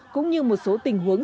cũng như một số tình huống